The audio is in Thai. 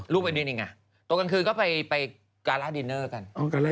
ลูกไปด้วยเนี่ยไงตกกลางคืนก็ไปการ์ลาดินเนอร์กัน